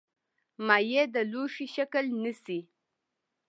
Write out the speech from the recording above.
مایع د لوښي شکل نیسي.